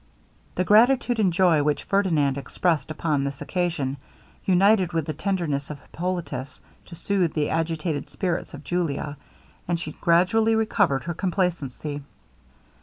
The gratitude and joy which Ferdinand expressed upon this occasion, united with the tenderness of Hippolitus to soothe the agitated spirits of Julia, and she gradually recovered her complacency.